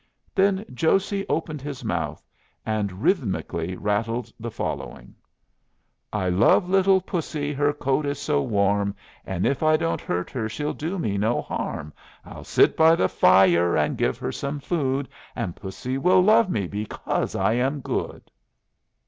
Then Josey opened his mouth and rhythmically rattled the following: "I love little pussy her coat is so warm And if I don't hurt her she'll do me no harm I'll sit by the fi yer and give her some food And pussy will love me because I am good."